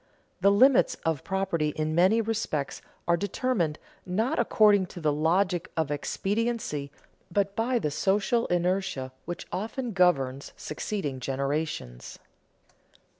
The limits of property in many respects are determined, not according to the logic of expediency, but by the social inertia which often governs succeeding generations.